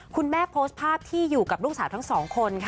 โพสต์ภาพที่อยู่กับลูกสาวทั้งสองคนค่ะ